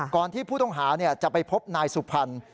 ก่อนที่ผู้ต้องหาจะไปพบนายสุพรรณ